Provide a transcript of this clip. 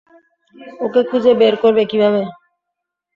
ওকে খুঁজে বের করবে কীভাবে?